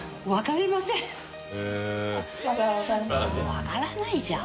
わからないじゃん。